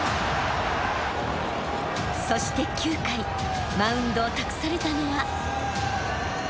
そして９回マウンドを託されたのは。